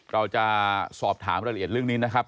เราจะสอบถามรายละเอียดเรื่องนี้นะครับ